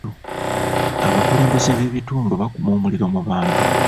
Abakulembeze b'ebitundu bakuma omuliro mu bantu.